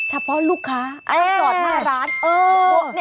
เฉพาะลูกค้ามาจอดหน้าร้าน